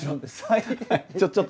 はい。